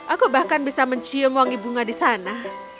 aku bahkan bisa mencium wangi bunga di sana